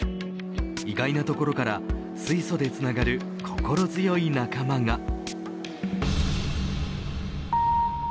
意外なところから水素でつながる心強い仲間が。